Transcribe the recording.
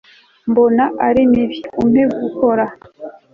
mbona ari mibi, umpe gukora